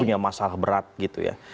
punya masalah berat gitu ya